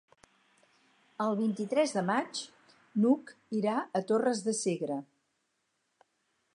El vint-i-tres de maig n'Hug irà a Torres de Segre.